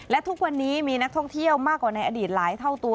และทุกวันนี้มีนักท่องเที่ยวมากกว่าในอดีตหลายเท่าตัว